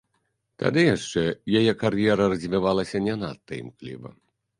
Тады яшчэ яе кар'ера развівалася не надта імкліва.